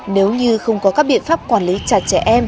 nếu như không có các biện pháp quản lý chặt chẽ